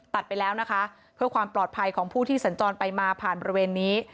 ไปแล้วนะคะเพื่อความปลอดภัยของผู้ที่สัญจรไปมาผ่านบริเวณนี้